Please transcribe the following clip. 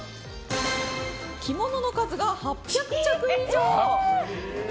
着物の数が８００着以上！